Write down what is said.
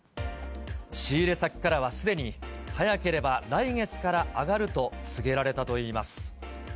仕入れ先からはすでに、早ければ来月から上がると告げられたといいます。